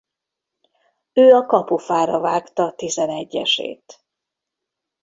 Ő a kapufára vágta tizenegyesét.